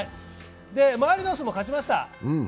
マリノスも勝ちました。